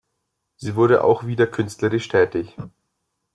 Sie wurde auch wieder künstlerisch tätig.